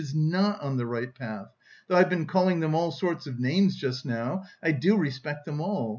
is not on the right path. Though I've been calling them all sorts of names just now, I do respect them all...